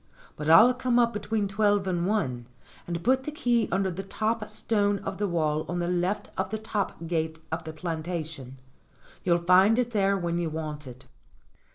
But I'll come up between twelve and one, and put the key under the top stone of the wall on the left of the top gate of the plantation. You'll find it there when you want it."